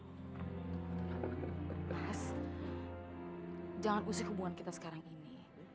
mas jangan usik hubungan kita sekarang ini